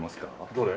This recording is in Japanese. どれ？